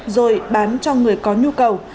rồi bán cho người vay